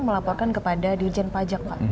melaporkan kepada dirijen pajak